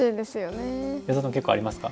安田さん結構ありますか？